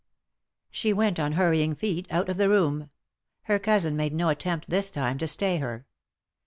She went on hurrying feet out of the room ; her cousin made no attempt, this time, to stay her.